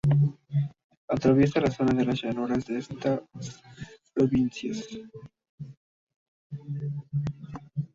Atraviesa la zona de llanuras de estas provincias.